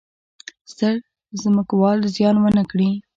ستر ځمکوال زیان ونه کړي.